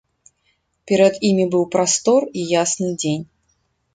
Перад імі быў прастор і ясны дзень.